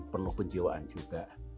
kekasih belahan jiwa